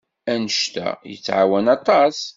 Anect-a yettɛawan aṭas.